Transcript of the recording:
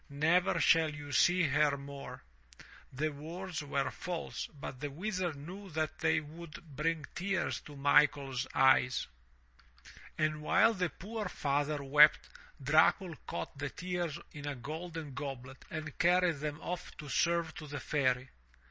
Never shall you see her more." The words were false, but the Wizard knew that they would 380 THROUGH FAIRY HALLS bring tears to Michaers eyes. And while the poor father wept, Dracul caught the tears in a golden goblet and carried them off to serve to the Fairy.